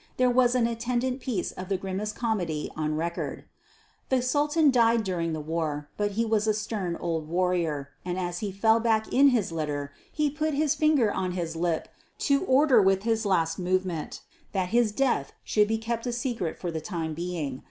There was an attendant piece of the grimmest comedy on record. The Sultan died during the battle, but he was a stern old warrior, and as he fell back in his litter he put his finger on his lip to order with his last movement that his death should be kept secret for the time being.